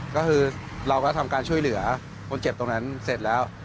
ก็คือเราก็ทำการช่วยเหลือคนเจ็บตรงนั้นเสร็จแล้ว